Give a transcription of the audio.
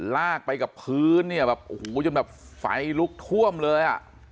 ลากไปกับพื้นเนี่ยแบบโอ้โหจนแบบไฟลุกท่วมเลยอ่ะ